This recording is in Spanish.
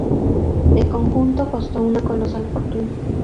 El conjunto costó una colosal fortuna.